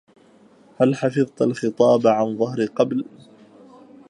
هل حفظت الخطاب عن ظهر قبل؟